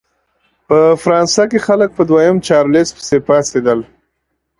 په فرانسه کې خلک په دویم چارلېز پسې پاڅېدل.